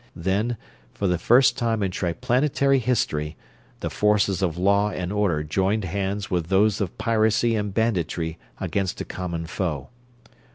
Then, for the first time in Triplanetary history, the forces of law and order joined hands with those of piracy and banditry against a common foe.